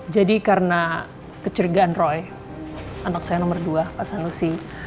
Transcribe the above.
jadi karena kecerigaan roy anak saya nomor dua pak sanusi